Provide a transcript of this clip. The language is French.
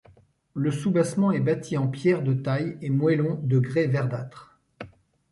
Le soubassement est bâti en pierre de taille et moellons de grès verdâtres.